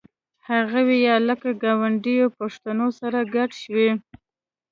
هغوی یا له ګاونډیو پښتنو سره ګډ شوي.